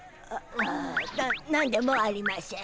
な何でもありましぇん。